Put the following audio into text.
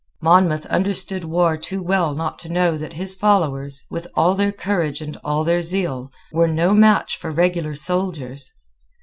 Monmouth understood war too well not to know that his followers, with all their courage and all their zeal, were no match for regular soldiers.